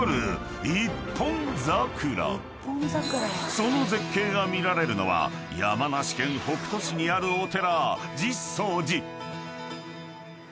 ［その絶景が見られるのは山梨県北杜市にあるお寺］